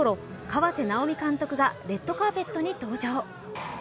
河瀬直美監督がレッドカーペットに登場。